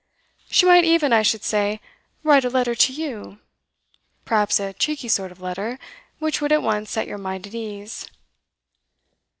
She might even, I should say, write a letter to you perhaps a cheeky sort of letter, which would at once set your mind at ease.